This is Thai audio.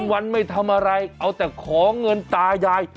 วันไม่ทำอะไรเอาแต่ขอเงินตายาย